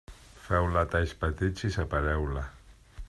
Feu-la a talls petits i separeu-la.